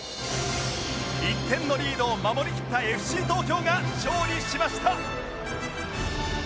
１点のリードを守りきった ＦＣ 東京が勝利しました